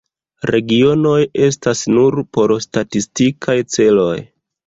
Regionoj estas nur por statistikaj celoj.